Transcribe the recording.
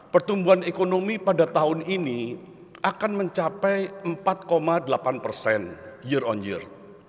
pertumbuhan ekonomi pada tahun ini akan mencapai empat delapan persen year on year